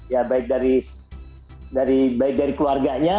ya baik dari keluarganya